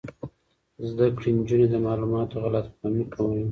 زده کړې نجونې د معلوماتو غلط فهمۍ کموي.